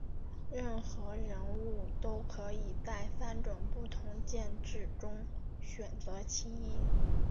任何人物都可以在三种不同剑质中选择其一。